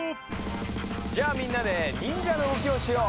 じゃあみんなで忍者の動きをしよう！